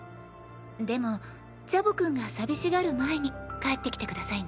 でもチャボ君が寂しがる前に帰ってきて下さいね。